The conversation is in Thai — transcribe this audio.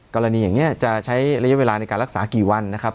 กรณีอย่างนี้จะใช้ระยะเวลาในการรักษากี่วันนะครับ